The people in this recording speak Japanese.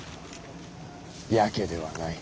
やけではない。